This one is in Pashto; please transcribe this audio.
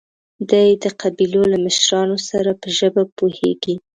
دی د قبيلو له مشرانو سره په ژبه پوهېږي.